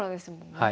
はい。